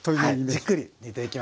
はいじっくり煮ていきます。